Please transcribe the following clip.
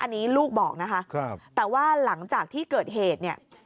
อันนี้ลูกบอกนะคะแต่ว่าหลังจากที่เกิดเหตุเนี่ย